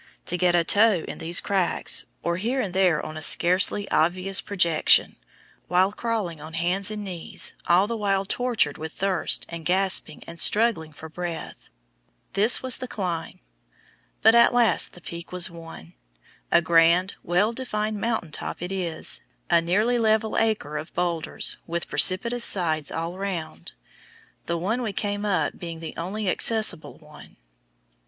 To get a toe in these cracks, or here and there on a scarcely obvious projection, while crawling on hands and knees, all the while tortured with thirst and gasping and struggling for breath, this was the climb; but at last the Peak was won. A grand, well defined mountain top it is, a nearly level acre of boulders, with precipitous sides all round, the one we came up being the only accessible one.